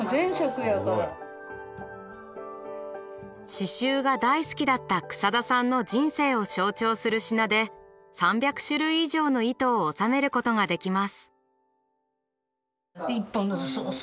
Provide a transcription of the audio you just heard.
刺しゅうが大好きだった草田さんの人生を象徴する品で３００種類以上の糸を収めることができます。